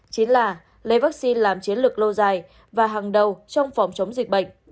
chính là lấy vắc xin làm chiến lược lâu dài và hàng đầu trong phòng chống dịch bệnh